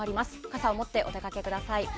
傘を持ってお出かけください。